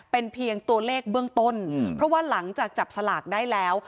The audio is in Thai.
เป็นเพียงตัวเลขเบื้องต้นเพราะว่าหลังจากจับสลากได้แล้ว